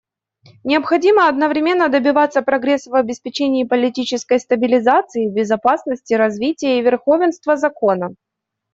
Необходимо одновременно добиваться прогресса в обеспечении политической стабилизации, безопасности, развития и верховенства закона.